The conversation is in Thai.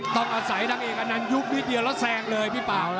ต้องอาศัยนางเอกอนันต์ยุบนิดเดียวแล้วแซงเลยพี่เปล่า